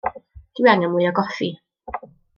Dw i angen mwy o goffi.